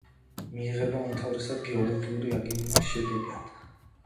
მიიღება უმთავრესად გეოლოგიური აგეგმვის შედეგად.